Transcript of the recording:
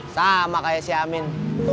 sama kayak si amin